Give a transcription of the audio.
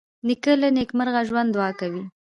نیکه له نیکمرغه ژوند دعا کوي.